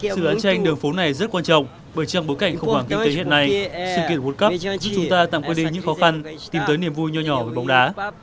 sự án tranh đường phố này rất quan trọng bởi trang bối cảnh không bằng kinh tế hiện nay sự kiện world cup giúp chúng ta tạm quyết định những khó khăn tìm tới niềm vui nhỏ nhỏ về bóng đá